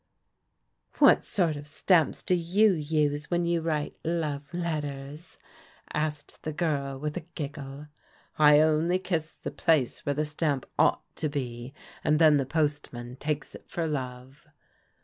"What sort of stamps do you use when you write * love letters '?" asked the girl with a giggle. " I only kiss the place where the stamp ought to be, and then the postman takes it for love."